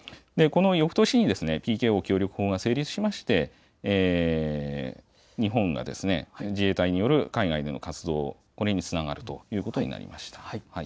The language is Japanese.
このよくとしにＰＫＯ協力法が成立しまして日本が自衛隊による海外の活動、これにつながるということになりました。